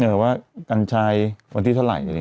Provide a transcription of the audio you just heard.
เอ๋อว่ากัญชายวันที่เทอร์ไหลว่างเงี้ย